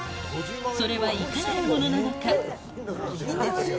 それはいかなるものなのか。